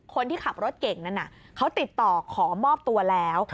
คนที่ขับรถเก่งนั้นเขาติดต่อขอมอบตัวแล้ว